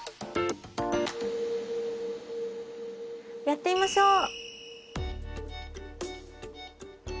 やってみましょう。